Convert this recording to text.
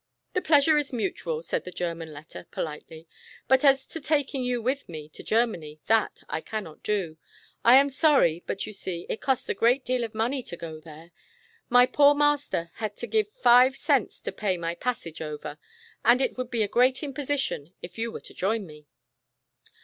"The pleasure is mutual," said the German letter, politely, "but as to taking you with me to Germany, that I cannot do. I am sorry, but you see, it costs a great deal of money to go there. My poor master had to give five cents to pa\' my passage over, and it would be a great imposition, if you were to join me."